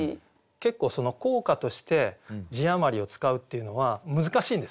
結構効果として字余りを使うっていうのは難しいんですね。